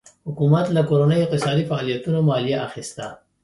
حکومت له کورنیو اقتصادي فعالیتونو مالیه اخیسته.